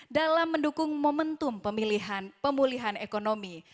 dalam mendukung momentum pemulihan ekonomi